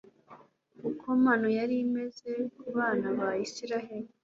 uko manu yari imeze ku bana ba Isiraheli